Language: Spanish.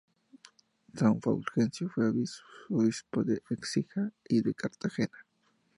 San Fulgencio fue obispo de Écija y de Cartagena.